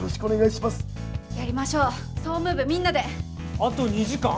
あと２時間！？